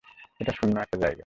এটা শূন্য একটা জায়গা।